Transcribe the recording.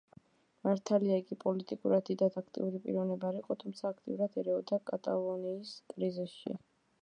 მართალია, იგი პოლიტიკურად დიდად აქტიური პიროვნება არ იყო, თუმცა აქტიურად ერეოდა კატალონიის კრიზისში.